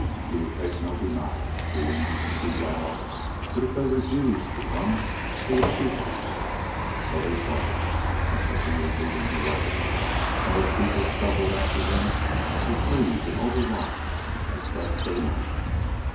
He would take no denial; indeed, he vowed that if they refused to come he would shoot them. So they started, Mr. Rodd leading the way, while his people stumbled after him through trees and over rocks as best they might.